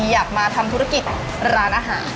อยากมาทำธุรกิจร้านอาหาร